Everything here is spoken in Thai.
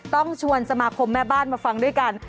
ต้องชวนสมาคมแม่บ้านมาฟังด้วยกัน